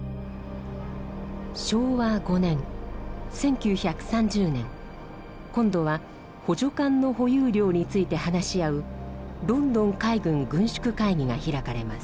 昭和５年１９３０年今度は補助艦の保有量について話し合うロンドン海軍軍縮会議が開かれます。